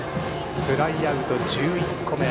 フライアウト１１個目。